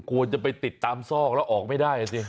กลัวจะไปติดตามซอกแล้วออกไม่ได้อ่ะสิ